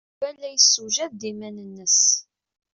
Yuba la yessewjad iman-nnes.